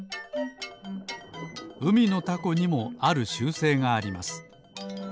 うみのタコにもある習性があります。